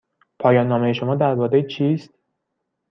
پایان نامه شما درباره چیست؟